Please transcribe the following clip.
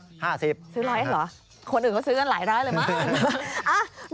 ซื้อร้อยเหรอคนอื่นก็ซื้อกันหลายร้อยเลยมั้ง